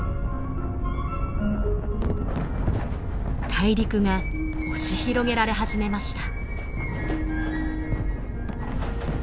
大陸が押し広げられ始めました。